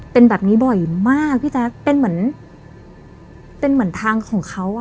เป็นแบบนี้บ่อยมากพี่แจ๊กเป็นเหมือนทางของเขา